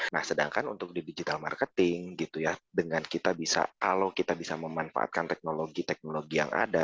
nah sedangkan untuk di digital marketing gitu ya dengan kita bisa kalau kita bisa memanfaatkan teknologi teknologi yang ada